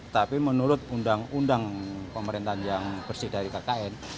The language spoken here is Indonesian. tapi menurut undang undang pemerintahan yang bersih dari kkn